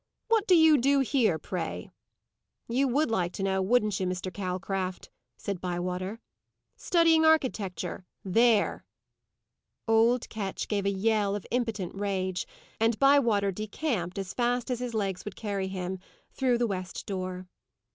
"What do you do here, pray?" "You would like to know, wouldn't you, Mr. Calcraft?" said Bywater. "Studying architecture. There!" Old Ketch gave a yell of impotent rage, and Bywater decamped, as fast as his legs would carry him, through the west door.